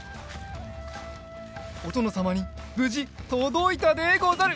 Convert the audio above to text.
おとのさまにぶじとどいたでござる！